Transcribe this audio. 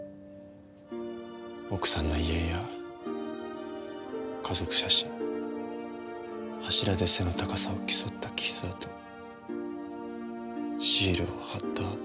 奥さんの遺影や家族写真柱で背の高さを競った傷跡シールを張った跡。